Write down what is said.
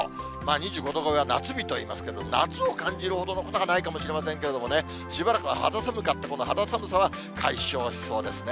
２５度超えは夏日といいますけど、夏を感じるほどのことはないかもしれませんけれどもね、しばらく肌寒かったこの肌寒さは解消しそうですね。